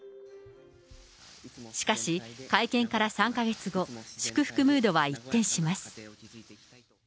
しかし、会見から３か月後、祝福ムードは一転します。